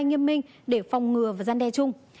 nghiêm minh để phòng ngừa và gian đe chung